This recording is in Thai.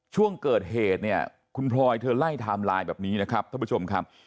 ช่วงเกิดเหตุเนี่ยคุณพลอยเธอไล่ไทม์ไลน์แบบนี้นะครับท่านผู้ชมครับ